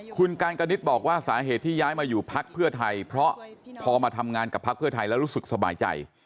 คุณการกนิดบอกว่าสาเหตุที่ย้ายมาอยู่พักเพื่อไทยเพราะพอมาทำงานกับพักเพื่อไทยแล้วรู้สึกสบายใจ